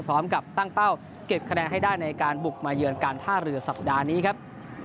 พร้อมกับตั้งเป้าเก็บคะแนนให้ได้ในการบุกมาเยือนการท่าเรือสัปดาห์นี้ครับ